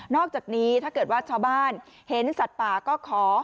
อกจากนี้ถ้าเกิดว่าชาวบ้านเห็นสัตว์ป่าก็ขอ